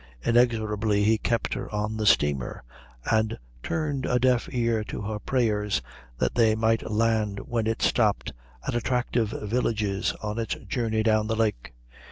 Inexorably he kept her on the steamer and turned a deaf ear to her prayers that they might land when it stopped at attractive villages on its journey down the lake.